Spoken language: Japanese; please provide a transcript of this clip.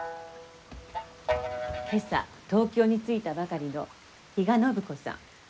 今朝東京に着いたばかりの比嘉暢子さん。